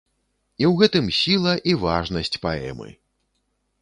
І ў гэтым сіла і важнасць паэмы.